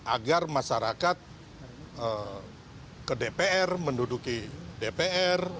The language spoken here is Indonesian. agar masyarakat ke dpr menduduki dpr